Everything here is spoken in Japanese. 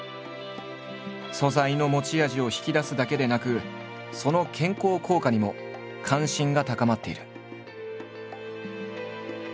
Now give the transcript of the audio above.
素材の持ち味を引き出すだけでなくその健康効果にも関心が高まっている。